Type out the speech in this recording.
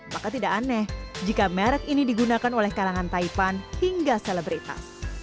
maka tidak aneh jika merek ini digunakan oleh kalangan taipan hingga selebritas